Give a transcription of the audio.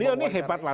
beliau ini hebat lah